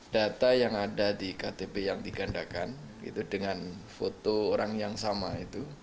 data yang ada di ktp yang digandakan dengan foto orang yang sama itu